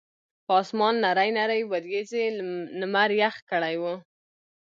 پۀ اسمان نرۍ نرۍ وريځې نمر يخ کړے وو